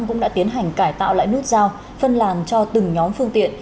cũng đã tiến hành cải tạo lại nút giao phân làn cho từng nhóm phương tiện